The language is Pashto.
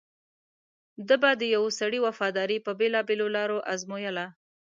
ده به د یوه سړي وفاداري په بېلابېلو لارو ازمویله.